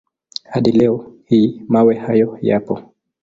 Hadi leo hii mawe hayo yapo.